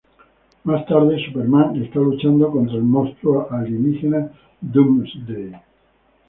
Más tarde, Superman está luchando contra el monstruo alienígena Doomsday.